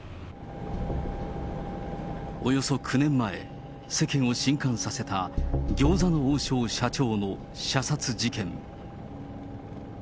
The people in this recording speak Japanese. およそ９年前、世間をしんかんさせた餃子の王将社長の射殺事件。